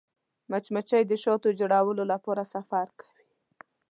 مچمچۍ د شاتو د جوړولو لپاره سفر کوي